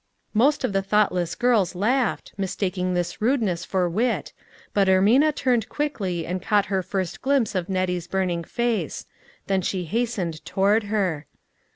Most of the thoughtless girls laughed, mis taking this rudeness for wit, but Ermina turned quickly and caught her first glimpse of Nettie's burning face ; then she hastened toward her.